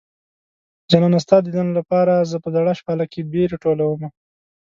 جانانه ستا ديدن لپاره زه په زړه شپاله کې بېرې ټولومه